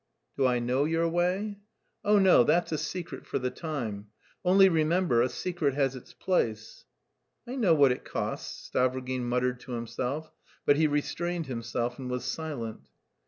"Do I know your way?" "Oh no, that's a secret for the time. Only remember, a secret has its price." "I know what it costs," Stavrogin muttered to himself, but he restrained himself and was silent.